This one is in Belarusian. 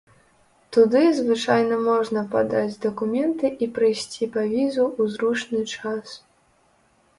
Туды звычайна можна падаць дакументы і прыйсці па візу ў зручны час.